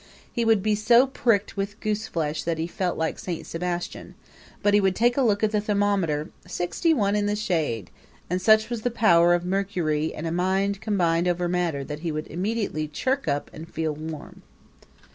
He would be so prickled with gooseflesh that he felt like Saint Sebastian; but he would take a look at the thermometer sixty one in the shade! And such was the power of mercury and mind combined over matter that he would immediately chirk up and feel warm.